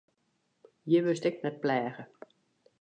Hjir wurdst ek net pleage.